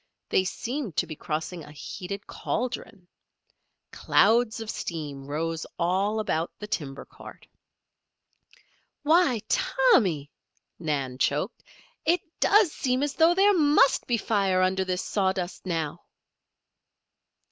They seemed to be crossing a heated cauldron. Clouds of steam rose all about the timber cart. "Why, Tommy!" Nan choked. "It does seem as though there must be fire under this sawdust now."